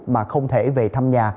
mà không thể về thăm nhà